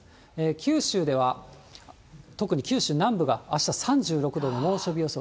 九州では、特に九州南部があした３６度の猛暑日予想。